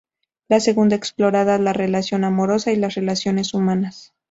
La segunda explora la relación amorosa y las relaciones humanas.